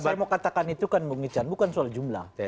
saya mau katakan itu bukan soal jumlah